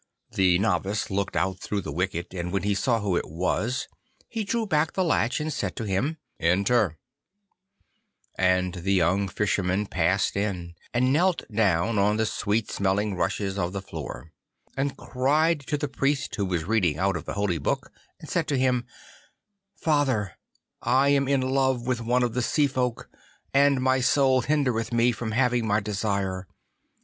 The novice looked out through the wicket, and when he saw who it was, he drew back the latch and said to him, 'Enter.' And the young Fisherman passed in, and knelt down on the sweet smelling rushes of the floor, and cried to the Priest who was reading out of the Holy Book and said to him, 'Father, I am in love with one of the Sea folk, and my soul hindereth me from having my desire.